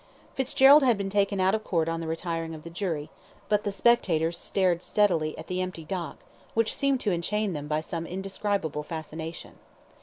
Fitzgerald had been taken out of court on the retiring of the jury, but the spectators stared steadily at the empty dock, which seemed to enchain them by some indescribable fascination.